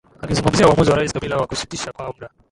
akizungumzia uamuzi wa rais kabila wakusitisha kwa muda